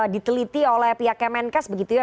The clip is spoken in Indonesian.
diteliti oleh pihak kemenkes begitu ya